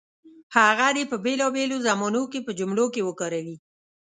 هغه دې په بېلابېلو زمانو کې په جملو کې وکاروي.